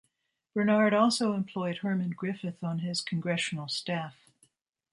Bernard also employed Herman Griffith on his congressional staff.